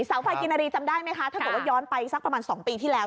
เสาไฟกินนารีจำได้ไหมคะถ้าเกิดว่าย้อนไปสักประมาณ๒ปีที่แล้ว